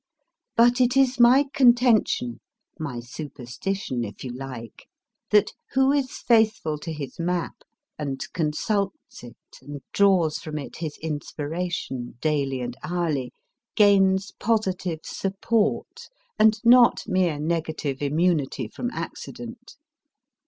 But it is my contention my superstition, if you like that who is faithful to his map, and consults it, and draws from it his inspiration, ROBERT LOUIS STEVENSON 309 daily and hourly, gains positive support, and not mere negative immunity from accident.